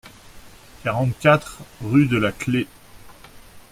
quarante-quatre, rue de la Clef.